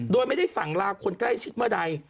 โดยไม่ได้สั่งลาคนใกล้ชิดเมื่อใด